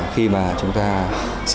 khi mà chúng ta có thể